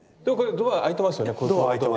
ドア開いてますね。